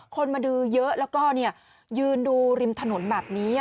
คนมาดูเยอะแล้วก็ยืนดูริมถนนแบบนี้